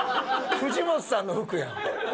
藤本さんの服やん。